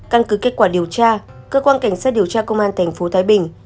căn cứ kết quả điều tra cơ quan cảnh sát điều tra công an tp thái bình